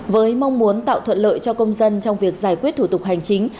với mong muốn tạo thuận lợi cho công dân trong việc giải quyết thủ tục hành chính